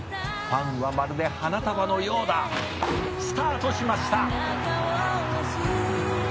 ファンはまるで花束のようだ」「スタートしました！」